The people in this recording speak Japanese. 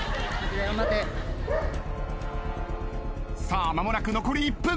さあ間もなく残り１分。